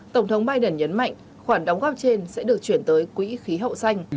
tổng thống biden nhấn mạnh khoản đóng góp trên sẽ được chuyển tới quỹ khí hậu xanh